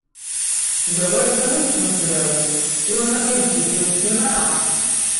D awal kan i yettmeslay, wama tidet u tt-yessin ara.